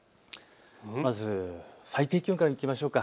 まず最低気温からいきましょう。